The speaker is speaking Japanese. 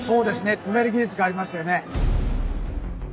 止める技術がありますよね。